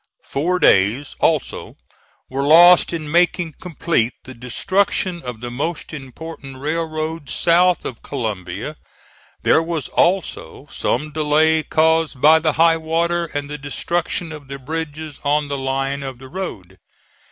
Four days, also, were lost in making complete the destruction of the most important railroads south of Columbia; there was also some delay caused by the high water, and the destruction of the bridges on the line of the road.